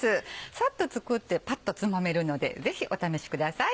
サッと作ってパッとつまめるのでぜひお試しください。